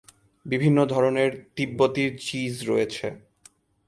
বিভিন্ন ধরণের তিব্বতি চিজ রয়েছে।